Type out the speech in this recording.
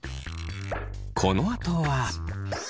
このあとは。